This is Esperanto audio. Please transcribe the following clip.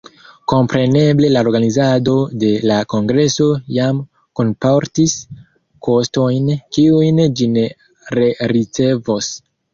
Kompreneble la organizado de la kongreso jam kunportis kostojn, kiujn ĝi ne rericevos.